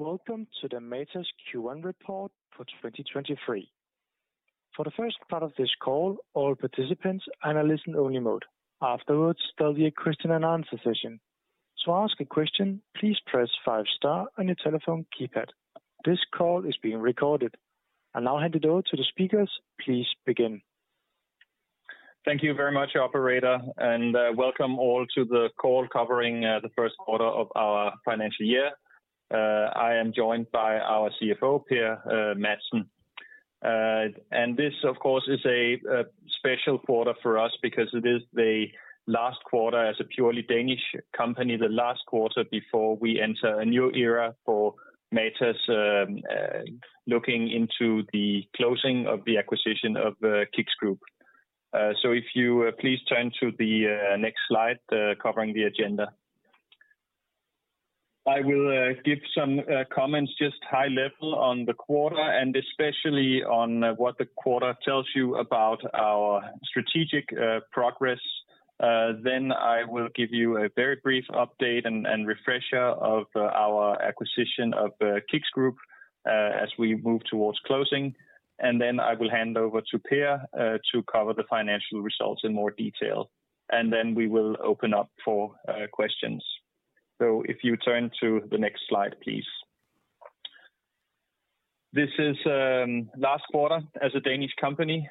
Welcome to the Matas Q1 report for 2023. For the first part of this call, all participants are in a listen-only mode. Afterwards, there'll be a question and answer session. To ask a question, please press five star on your telephone keypad. This call is being recorded. I now hand it over to the speakers. Please begin. Thank you very much, operator, welcome all to the call covering the first quarter of our financial year. I am joined by our CFO, Per Madsen. This, of course, is a special quarter for us because it is the last quarter as a purely Danish company, the last quarter before we enter a new era for Matas, looking into the closing of the acquisition of KICKS Group. If you please turn to the next slide covering the agenda. I will give some comments, just high level on the quarter, especially on what the quarter tells you about our strategic progress. I will give you a very brief update and refresher of our acquisition of KICKS Group as we move towards closing. Then I will hand over to Per to cover the financial results in more detail, and then we will open up for questions. If you turn to the next slide, please. This is last quarter as a Danish company.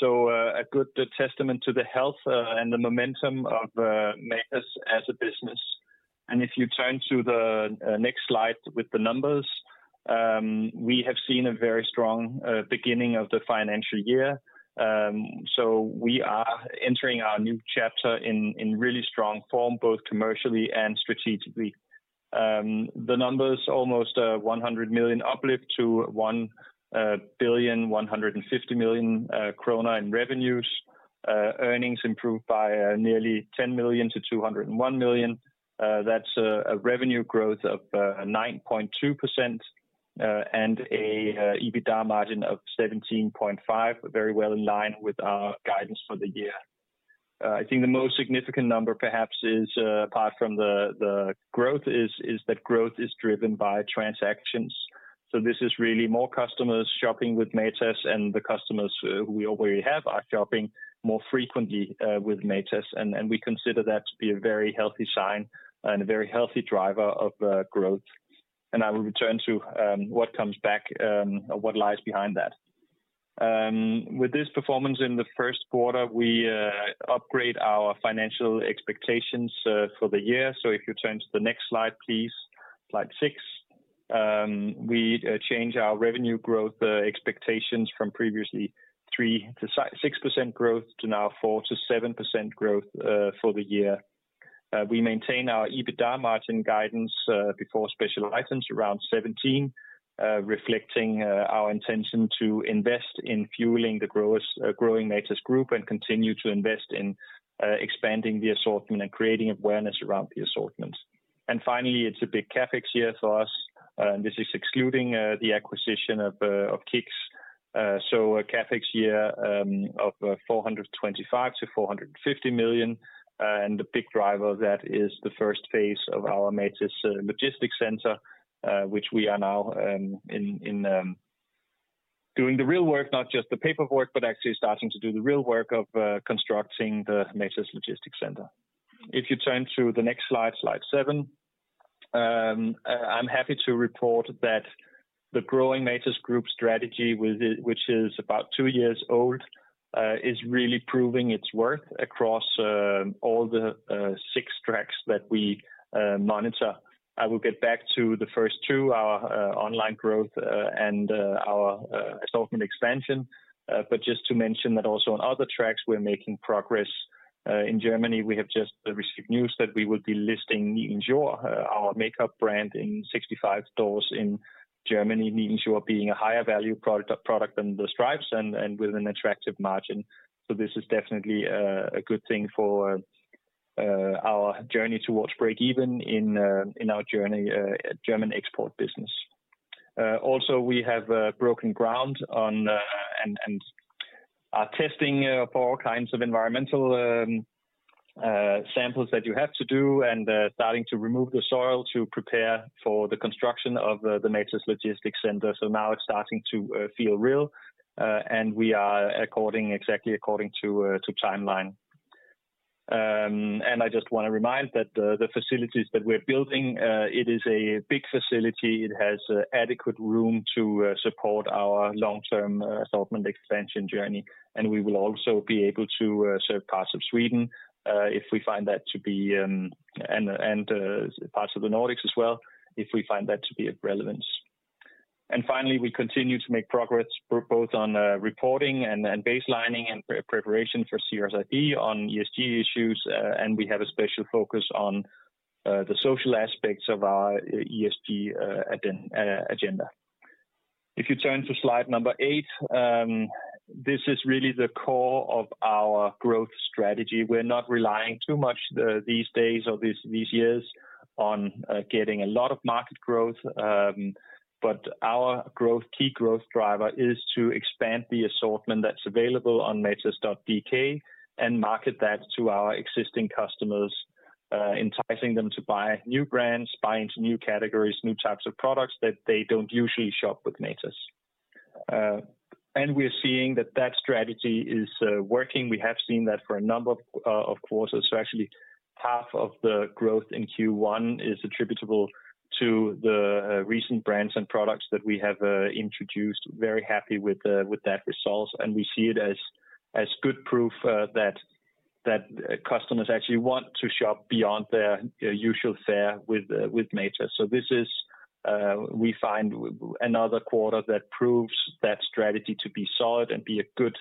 So a good testament to the health and the momentum of Matas as a business. If you turn to the next slide with the numbers, we have seen a very strong beginning of the financial year. So we are entering our new chapter in really strong form, both commercially and strategically. The numbers, almost 100 million uplift to 1,150 million kroner in revenues. Earnings improved by nearly 10 million to 201 million. That's a revenue growth of 9.2%, and a EBITDA margin of 17.5, very well in line with our guidance for the year. I think the most significant number perhaps is, apart from the growth, is that growth is driven by transactions. This is really more customers shopping with Matas, and the customers who we already have are shopping more frequently with Matas, and we consider that to be a very healthy sign and a very healthy driver of growth. I will return to what comes back or what lies behind that. With this performance in the first quarter, we upgrade our financial expectations for the year. If you turn to the next slide, please, slide 6. We change our revenue growth expectations from previously 3%-6% growth to now 4%-7% growth for the year. We maintain our EBITDA margin guidance before special items around 17%, reflecting our intention to invest in fueling the Growing Matas Group and continue to invest in expanding the assortment and creating awareness around the assortments. Finally, it's a big CapEx year for us, and this is excluding the acquisition of KICKS. A CapEx year of 425 million-450 million, and the big driver of that is the first phase of our Matas Logistics Center, which we are now in doing the real work, not just the paperwork, but actually starting to do the real work of constructing the Matas Logistics Center. If you turn to the next slide, slide 7. I'm happy to report that the Growing Matas Group strategy, with it, which is about two years old, is really proving its worth across all the six tracks that we monitor. I will get back to the first two, our online growth, and our assortment expansion. Just to mention that also on other tracks, we're making progress. In Germany, we have just received news that we will be listing Nilens Jord, our makeup brand, in 65 stores in Germany, Nilens Jord being a higher value product than the stripes and with an attractive margin. This is definitely a good thing for our journey towards break even in our journey, German export business. we have broken ground on and are testing for all kinds of environmental samples that you have to do and starting to remove the soil to prepare for the construction of the Matas Logistics Center. now it's starting to feel real and we are according, exactly according to timeline. I just want to remind that the facilities that we're building, it is a big facility. It has adequate room to support our long-term assortment expansion journey, and we will also be able to serve parts of Sweden if we find that to be, and parts of the Nordics as well, if we find that to be of relevance. Finally, we continue to make progress both on reporting and baselining and pre-preparation for CSRD on ESG issues, and we have a special focus on the social aspects of our ESG agenda. If you turn to slide number 8, this is really the core of our growth strategy. We're not relying too much these days or these, these years on getting a lot of market growth. Our growth, key growth driver is to expand the assortment that's available on matas.dk and market that to our existing customers, enticing them to buy new brands, buy into new categories, new types of products that they don't usually shop with Matas. We're seeing that that strategy is working. We have seen that for a number of courses. Actually, half of the growth in Q1 is attributable to the recent brands and products that we have introduced. Very happy with the, with that result, and we see it as, as good proof that, that customers actually want to shop beyond their usual fare with Matas. This is, we find another quarter that proves that strategy to be solid and be a good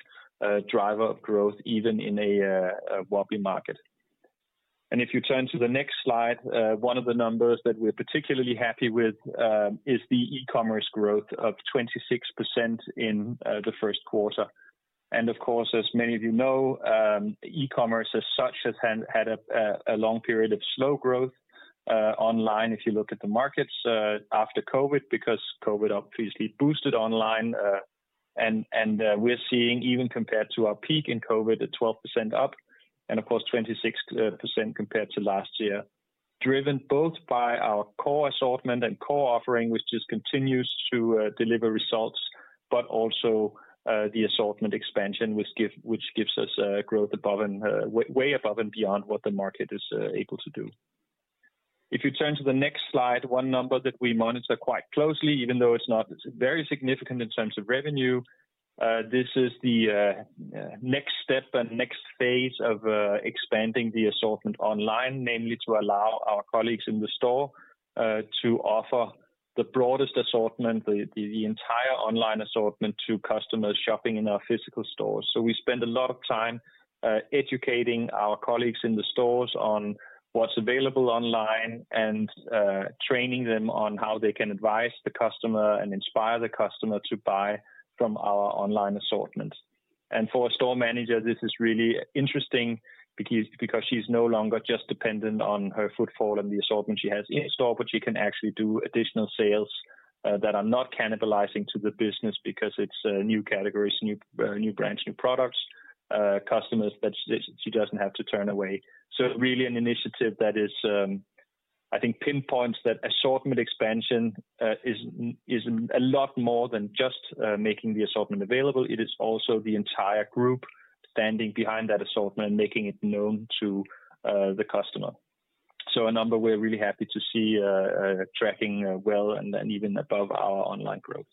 driver of growth, even in a wobbly market. If you turn to the next slide, one of the numbers that we're particularly happy with, is the e-commerce growth of 26% in the first quarter. Of course, as many of you know, e-commerce as such, has had, had a long period of slow growth online, if you look at the markets, after COVID, because COVID obviously boosted online, and, and, we're seeing even compared to our peak in COVID, a 12% up, and of course, 26% compared to last year, driven both by our core assortment and core offering, which just continues to deliver results, also, the assortment expansion, which gives us growth above and way, way above and beyond what the market is able to do. If you turn to the next slide, one number that we monitor quite closely, even though it's not very significant in terms of revenue, this is the next step and next phase of expanding the assortment online, namely, to allow our colleagues in the store to offer the broadest assortment, the, the entire online assortment, to customers shopping in our physical stores. We spend a lot of time educating our colleagues in the stores on what's available online, and training them on how they can advise the customer and inspire the customer to buy from our online assortment. For a store manager, this is really interesting because, because she's no longer just dependent on her footfall and the assortment she has in store, but she can actually do additional sales that are not cannibalizing to the business because it's new categories, new brands, new products, customers that she, she doesn't have to turn away. Really an initiative that is, I think pinpoints that assortment expansion is a lot more than just making the assortment available. It is also the entire group standing behind that assortment and making it known to the customer. A number we're really happy to see tracking well and even above our online growth.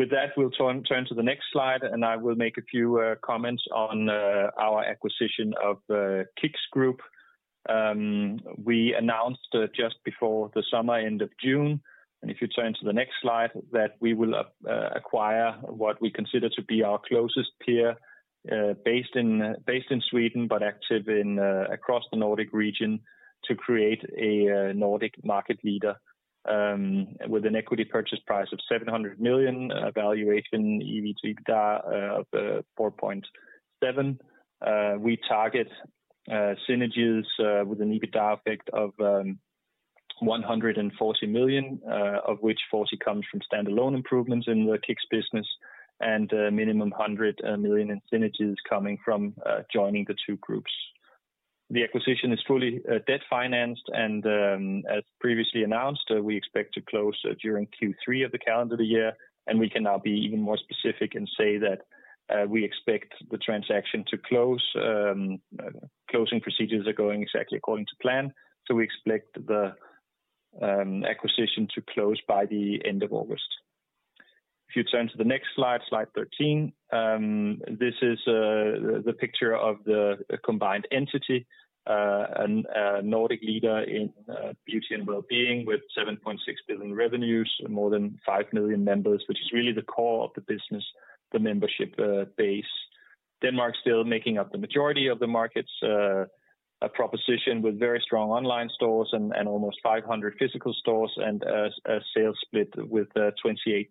With that, we'll turn, turn to the next slide, I will make a few comments on our acquisition of KICKS Group. We announced just before the summer, end of June, and if you turn to the next slide, that we will acquire what we consider to be our closest peer, based in Sweden, but active across the Nordic region, to create a Nordic market leader, with an equity purchase price of 700 million, valuation EV/EBITDA of 4.7. We target synergies with an EBITDA effect of 140 million, of which 40 comes from standalone improvements in the KICKS business, and minimum 100 million in synergies coming from joining the two groups. The acquisition is fully debt-financed, and as previously announced, we expect to close during Q3 of the calendar year. We can now be even more specific and say that we expect the transaction to close, closing procedures are going exactly according to plan, so we expect the acquisition to close by the end of August. You turn to the next slide, slide 13, this is the picture of the combined entity, a Nordic leader in beauty and wellbeing, with 7.6 billion revenues and more than 5 million members, which is really the core of the business, the membership base. Denmark still making up the majority of the markets, a proposition with very strong online stores and 500 physical stores, and a sales split with 28%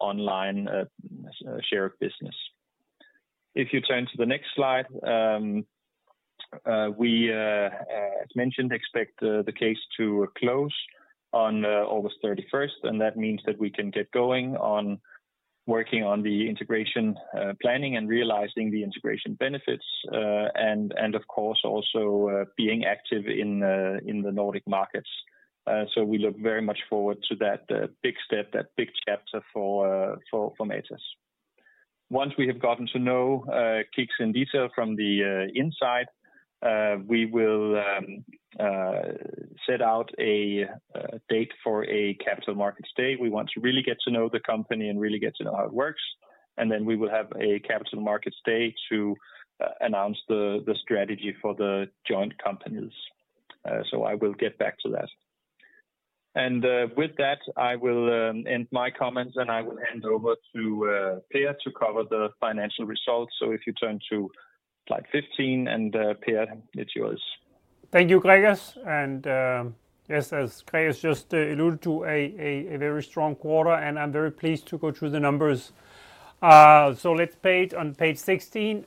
online share of business. If you turn to the next slide, we as mentioned, expect the case to close on August 31st, and that means that we can get going on working on the integration planning and realizing the integration benefits, and of course, also being active in the Nordic markets. We look very much forward to that big step, that big chapter for, for, from Matas. Once we have gotten to know KICKS in detail from the inside, we will set out a date for a capital markets day. We want to really get to know the company and really get to know how it works, and then we will have a capital markets day to announce the, the strategy for the joint companies. I will get back to that. With that, I will end my comments, and I will hand over to Per to cover the financial results. If you turn to slide 15, and Per, it's yours. Thank you, Gregers. Yes, as Gregers just alluded to, a very strong quarter, and I'm very pleased to go through the numbers. Let's page, on page 16,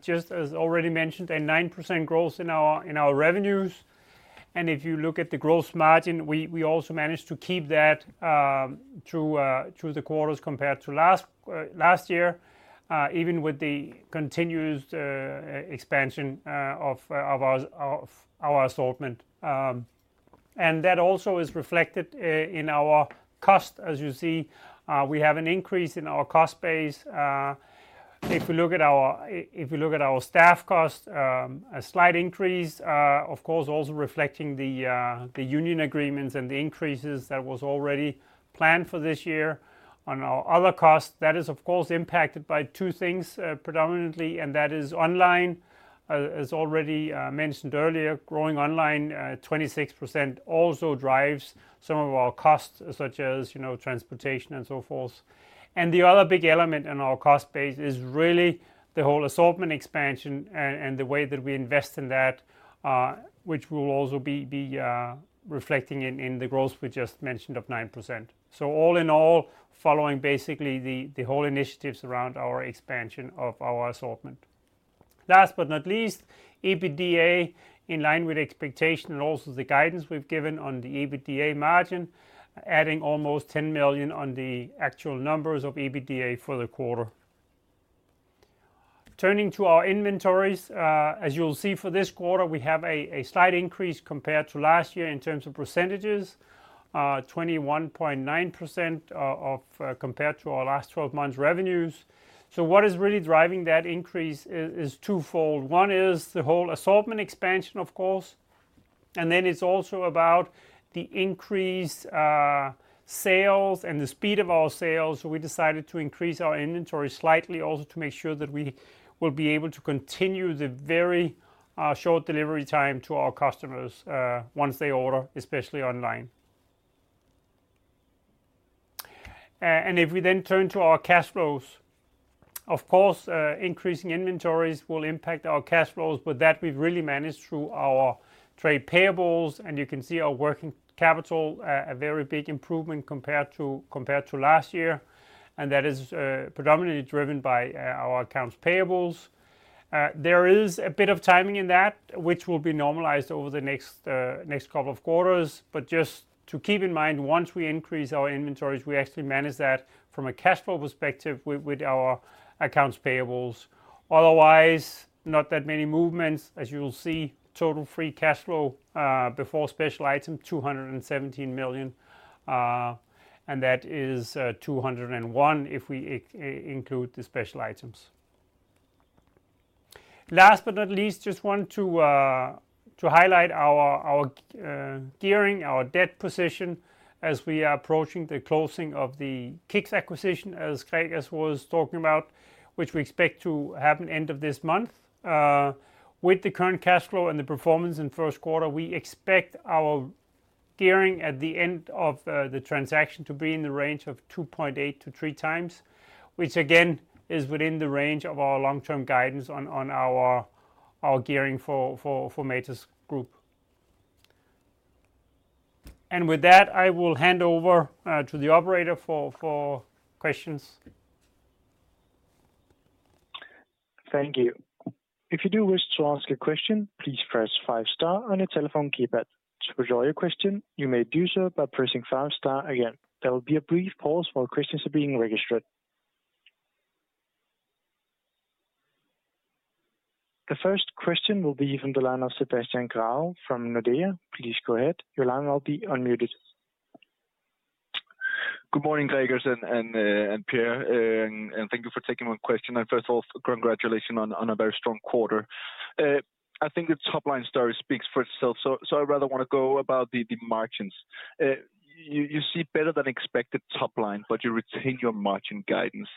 just as already mentioned, a 9% growth in our, in our revenues. If you look at the gross margin, we, we also managed to keep that through the quarters compared to last year, even with the continuous expansion of our assortment. That also is reflected in our cost. As you see, we have an increase in our cost base. If we look at our staff cost, a slight increase, of course, also reflecting the union agreements and the increases that was already planned for this year. On our other costs, that is, of course, impacted by two things, predominantly, and that is online, as already, mentioned earlier, growing online, 26% also drives some of our costs, such as, you know, transportation and so forth. The other big element in our cost base is really the whole assortment expansion a-and the way that we invest in that, which will also be, be, reflecting in, in the growth we just mentioned of 9%. All in all, following basically the, the whole initiatives around our expansion of our assortment. Last but not least, EBITDA in line with expectation and also the guidance we've given on the EBITDA margin, adding almost 10 million on the actual numbers of EBITDA for the quarter. Turning to our inventories, as you'll see for this quarter, we have a, a slight increase compared to last year in terms of percentages, 21.9% of compared to our last 12 months revenues. What is really driving that increase is twofold. One is the whole assortment expansion, of course, and then it's also about the increased sales and the speed of our sales. We decided to increase our inventory slightly also to make sure that we will be able to continue the very short delivery time to our customers once they order, especially online. If we then turn to our cash flows, of course, increasing inventories will impact our cash flows, but that we've really managed through our trade payables, and you can see our working capital, a very big improvement compared to, compared to last year, and that is predominantly driven by our accounts payables. There is a bit of timing in that, which will be normalized over the next couple of quarters. Just to keep in mind, once we increase our inventories, we actually manage that from a cash flow perspective with, with our accounts payables. Otherwise, not that many movements. As you will see, total free cash flow before special item, 217 million, and that is 201 if we include the special items. Last but not least, just want to, to highlight our, our, gearing, our debt position as we are approaching the closing of the KICKS acquisition, as Gregers was talking about, which we expect to happen end of this month. With the current cash flow and the performance in first quarter, we expect our gearing at the end of the transaction to be in the range of 2.8-3 times, which again, is within the range of our long-term guidance on, on our, our gearing for, for, for Matas Group. With that, I will hand over to the operator for, for questions. Thank you. If you do wish to ask a question, please press five star on your telephone keypad. To withdraw your question, you may do so by pressing five star again. There will be a brief pause while questions are being registered. The first question will be from the line of Sebastian Graff from Nordea. Please go ahead. Your line will be unmuted. Good morning, Gregers and Per, and thank you for taking my question. First of all, congratulations on a very strong quarter. I think the top-line story speaks for itself, so I rather want to go about the margins. You see better than expected top line, but you retain your margin guidance.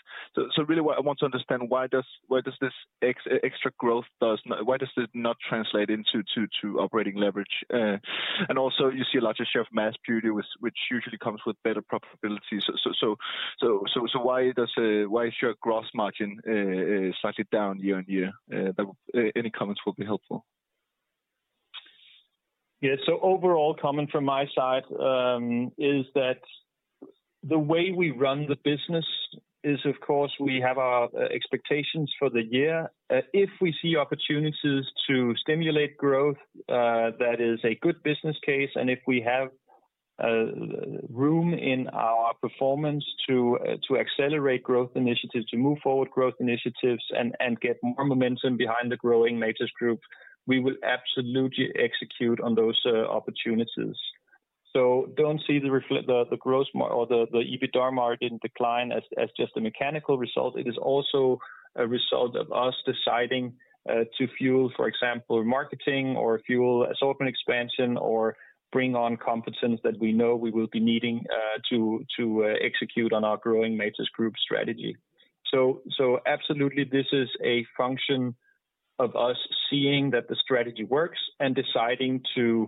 Really what I want to understand, why does this extra growth. Why does it not translate into operating leverage? Also, you see a larger share of mass beauty, which usually comes with better profitability. Why is your gross margin slightly down year-on-year? Any comments will be helpful. Yeah, overall comment from my side, is that the way we run the business is, of course, we have our expectations for the year. If we see opportunities to stimulate growth, that is a good business case, and if we have room in our performance to accelerate growth initiatives, to move forward growth initiatives and, and get more momentum behind the Growing Matas Group, we will absolutely execute on those opportunities. Don't see the refle- the, the growth mar- or the, the EBITDA margin decline as, as just a mechanical result. It is also a result of us deciding to fuel, for example, marketing or fuel assortment expansion, or bring on competence that we know we will be needing to execute on our Growing Matas Group strategy. Absolutely, this is a function of us seeing that the strategy works and deciding to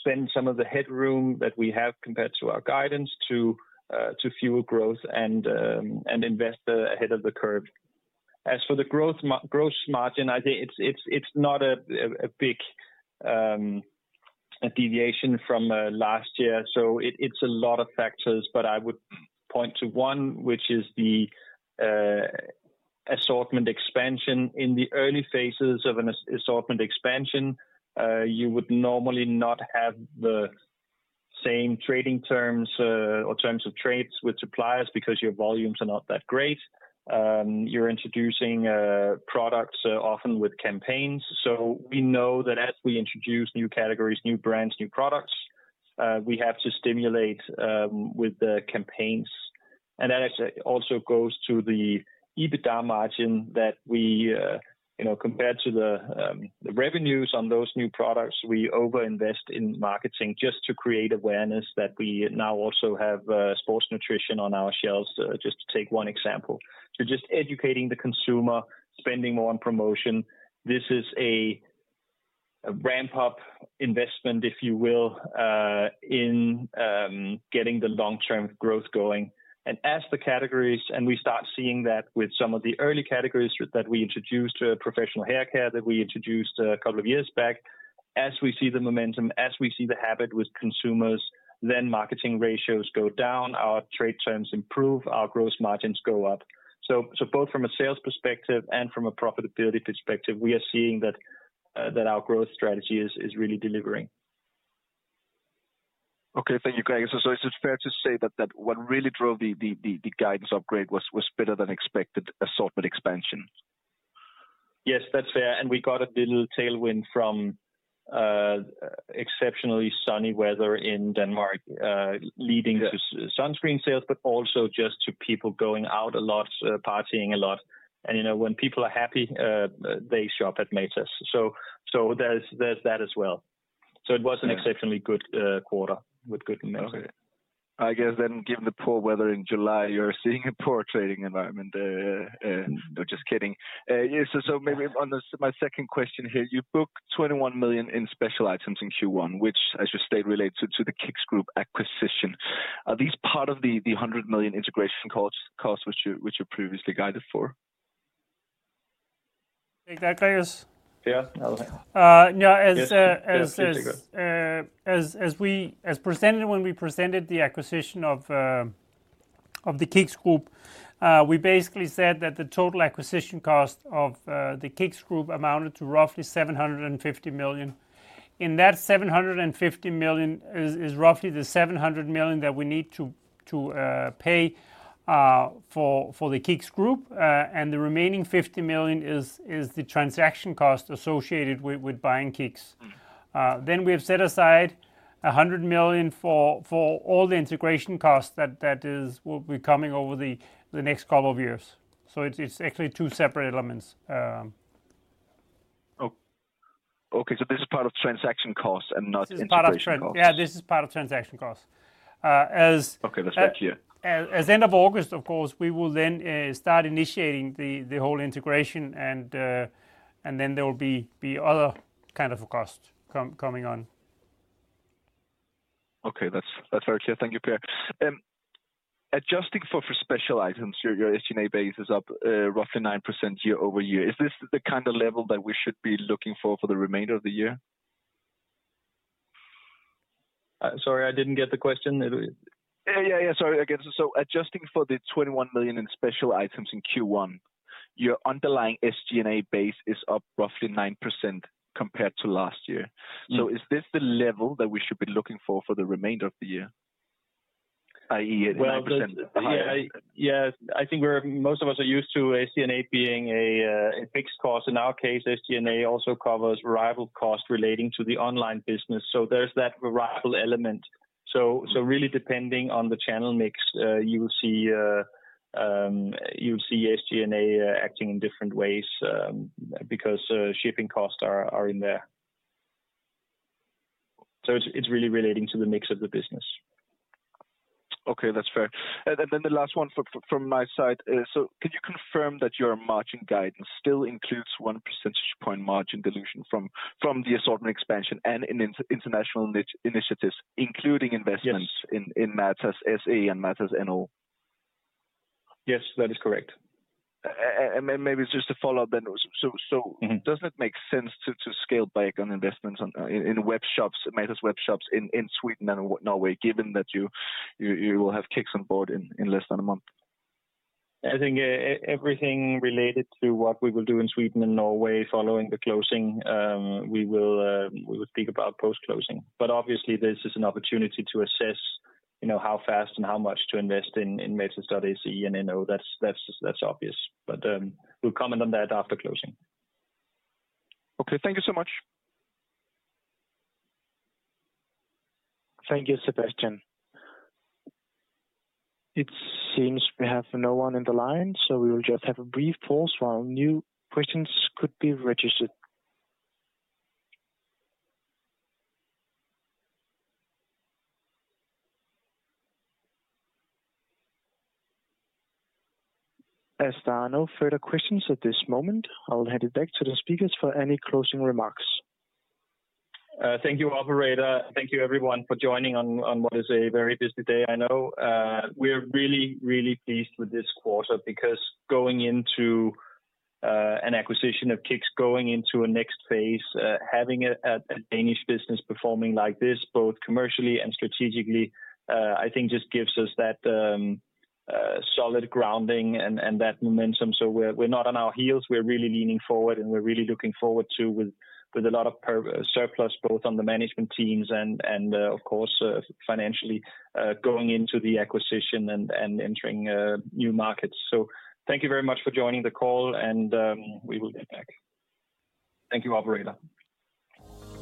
spend some of the headroom that we have compared to our guidance to fuel growth and invest ahead of the curve. As for the gross margin, I think it's, it's, it's not a, a, a big.... a deviation from last year. It, it's a lot of factors, but I would point to one, which is the assortment expansion. In the early phases of an assortment expansion, you would normally not have the same trading terms or terms of trades with suppliers because your volumes are not that great. You're introducing products often with campaigns. We know that as we introduce new categories, new brands, new products, we have to stimulate with the campaigns. That actually also goes to the EBITDA margin that we, you know, compared to the revenues on those new products, we over-invest in marketing just to create awareness that we now also have sports nutrition on our shelves, just to take one example. Just educating the consumer, spending more on promotion, this is a, a ramp-up investment, if you will, in getting the long-term growth going. As the categories, and we start seeing that with some of the early categories that we introduced, professional haircare that we introduced a couple of years back. As we see the momentum, as we see the habit with consumers, then marketing ratios go down, our trade terms improve, our gross margins go up. So both from a sales perspective and from a profitability perspective, we are seeing that, that our growth strategy is, is really delivering. Okay, thank you, guys. Is it fair to say that, that what really drove the, the, the, the guidance upgrade was, was better than expected assortment expansion? Yes, that's fair, and we got a little tailwind from exceptionally sunny weather in Denmark, leading- Yeah... to sunscreen sales, but also just to people going out a lot, partying a lot. You know, when people are happy, they shop at Matas. There's, there's that as well. Yeah. It was an exceptionally good quarter with good mix. I guess then, given the poor weather in July, you're seeing a poor trading environment, no, just kidding. Maybe on my second question here: You booked 21 million in special items in Q1, which, as you state, relates to the KICKS Group acquisition. Are these part of the 100 million integration costs which you previously guided for? Exactly, yes. Yeah. Yeah, as, as. Yes, please go on.... as presented, when we presented the acquisition of the KICKS Group, we basically said that the total acquisition cost of the KICKS Group amounted to roughly 750 million. In that 750 million is, is roughly the 700 million that we need to pay for the KICKS Group, and the remaining 50 million is, is the transaction cost associated with, with buying KICKS. We've set aside 100 million for, for all the integration costs that, that is, will be coming over the next couple of years. So it's actually two separate elements. Okay, this is part of transaction costs and not integration costs? This is part of Yeah, this is part of transaction costs. Okay, that's thank you. As end of August, of course, we will then start initiating the, the whole integration, and, and then there will be, be other kind of costs com- coming on. Okay, that's, that's very clear. Thank you, Per. Adjusting for special items, your SG&A base is up roughly 9% year-over-year. Is this the kind of level that we should be looking for for the remainder of the year? Sorry, I didn't get the question. Yeah, yeah, yeah. Sorry again. Adjusting for the 21 million in special items in Q1, your underlying SG&A base is up roughly 9% compared to last year. Mm. Is this the level that we should be looking for for the remainder of the year, i.e., 9% behind? Well, the... Yeah, I, yeah, I think we're- most of us are used to SG&A being a fixed cost. In our case, SG&A also covers variable costs relating to the online business, so there's that variable element. So really depending on the channel mix, you will see, you'll see SG&A acting in different ways, because shipping costs are, are in there. It's, it's really relating to the mix of the business. Okay, that's fair. The last one from, from my side, could you confirm that your margin guidance still includes 1 percentage point margin dilution from, from the assortment expansion and in international initiatives, including investments... Yes... in Matas SE and Matas NO? Yes, that is correct. Maybe just a follow-up then. Mm-hmm does it make sense to, to scale back on investments on, in, in web shops, Matas web shops in, in Sweden and Norway, given that you, you, you will have KICKS on board in, in less than a month? I think everything related to what we will do in Sweden and Norway following the closing, we will speak about post-closing. Obviously, this is an opportunity to assess, you know, how fast and how much to invest in, in Matas stores SE and NO, that's, that's, that's obvious. We'll comment on that after closing. Okay, thank you so much. Thank you, Sebastian. It seems we have no one in the line, so we will just have a brief pause while new questions could be registered. As there are no further questions at this moment, I'll hand it back to the speakers for any closing remarks. Thank you, operator. Thank you everyone for joining on, on what is a very busy day, I know. We are really, really pleased with this quarter because going into an acquisition of KICKS, going into a next phase, having a Danish business performing like this, both commercially and strategically, I think just gives us that solid grounding and that momentum. We're, we're not on our heels, we're really leaning forward, and we're really looking forward to with, with a lot of surplus, both on the management teams and, of course, financially, going into the acquisition and entering new markets. Thank you very much for joining the call, and we will get back. Thank you, operator.